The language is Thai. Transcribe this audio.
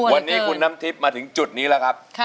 วันนี้คุณน้ำทิพย์มาถึงจุดนี้แล้วครับ